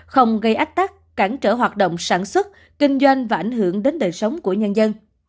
không gây ách tắc cản trở hoạt động sản xuất kinh doanh và ảnh hưởng đến đời sống của nhân dân